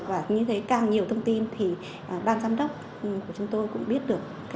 và như thế càng nhiều thông tin thì ban giám đốc của chúng tôi cũng biết được